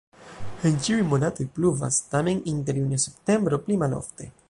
En ĉiuj monatoj pluvas, tamen inter junio-septembro pli malofte.